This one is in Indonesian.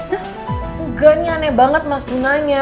tidak aneh banget mas juna nya